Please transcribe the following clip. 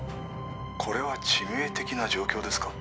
☎これは致命的な状況ですか？